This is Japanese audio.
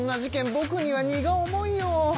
ぼくには荷が重いよ。